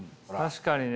確かにね。